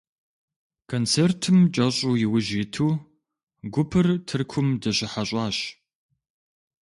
Концертым кӀэщӀу иужь иту, гупыр Тыркум дыщыхьэщӀащ.